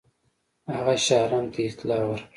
هغه شاه عالم ته اطلاع ورکړه.